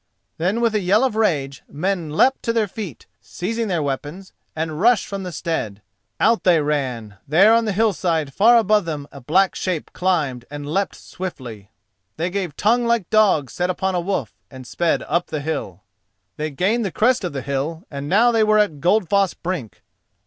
Then with a yell of rage, men leaped to their feet, seizing their weapons, and rushed from the stead. Out they ran. There, on the hill side far above them, a black shape climbed and leapt swiftly. They gave tongue like dogs set upon a wolf and sped up the hill. They gained the crest of the hill, and now they were at Goldfoss brink.